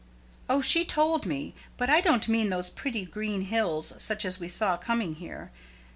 "Oh, she told me. But I don't mean those pretty green hills such as we saw coming here.